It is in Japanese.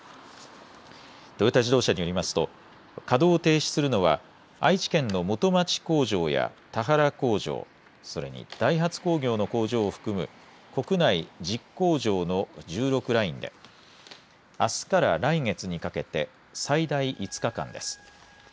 トヨタ自動車によりますと稼働を停止するのは愛知県の元町工場や田原工場それにダイハツ工業の工場を含む１０工場の１６ラインで、あすから来月にかけて最大５日間です。